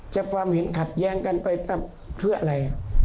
ความเห็นขัดแย้งกันไปเพื่ออะไร